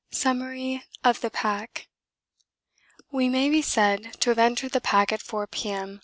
Summary of the Pack We may be said to have entered the pack at 4 P.M.